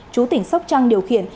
chú tỉnh sóc trăng điều khiển